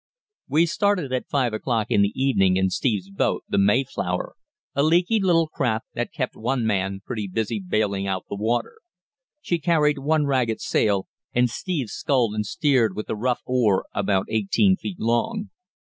We started at five o'clock in the evening in Steve's boat, the Mayflower, a leaky little craft that kept one man pretty busy bailing out the water. She carried one ragged sail, and Steve sculled and steered with a rough oar about eighteen feet long.